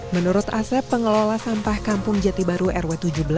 menurut asep pengelola sampah kampung jatibaru rw tujuh belas